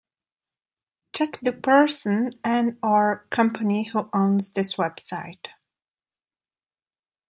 Check the person and/or company who owns this website.